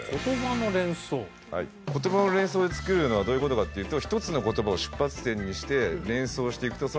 言葉の連想で作るのはどういう事かっていうと。